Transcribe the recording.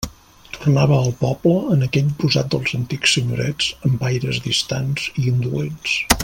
Tornava al poble en aquell posat dels antics senyorets amb aires distants i indolents.